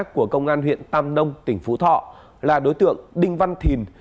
của công an huyện tam nông tỉnh phú thọ là đối tượng đinh văn thìn